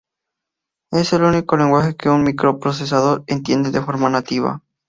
Es el único lenguaje que un microprocesador entiende de forma nativa.